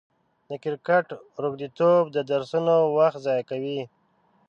د کرکټ روږديتوب د درسونو وخت ضايع کوي.